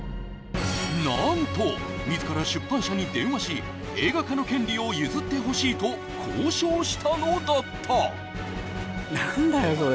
何と自ら出版社に電話し映画化の権利を譲ってほしいと交渉したのだった何だよ